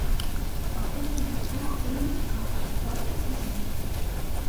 Агулам дыск вельмі цікавы і варты ўвагі.